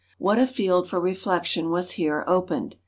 What a field for reflection was here opened!